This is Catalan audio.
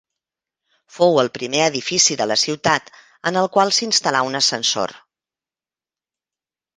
Fou el primer edifici de la ciutat en el qual s'instal·là un ascensor.